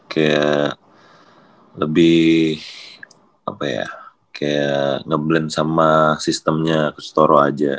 kayak lebih apa ya kayak nge blend sama sistemnya kusutoro aja